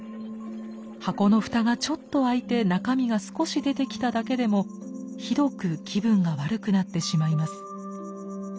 箱の蓋がちょっと開いて中身が少し出てきただけでもひどく気分が悪くなってしまいます。